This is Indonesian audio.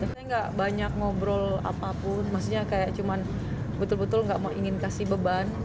saya gak banyak ngobrol apapun maksudnya kayak cuman betul betul gak ingin kasih beban